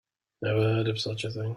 Never heard of such a thing.